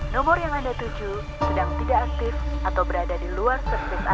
nomor yang anda tuju sedang tidak aktif atau berada di luar servis anda